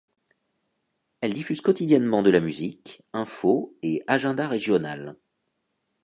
Elle diffuse quotidiennement de la musique, infos et agenda régional.